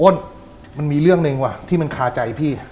โอนมันมีเรื่องหนึ่งว่ามีเรื่องนึงที่มันคาใจพี่